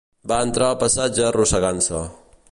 Van entrar al passatge arrossegant-se.